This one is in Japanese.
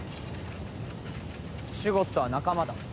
シュゴッドは仲間だ。